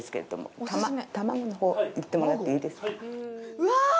うわ！